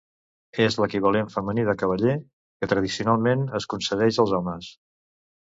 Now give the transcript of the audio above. És l'equivalent femení de cavaller, que tradicionalment es concedeix als homes.